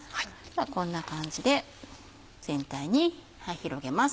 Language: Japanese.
こんな感じで全体に広げます。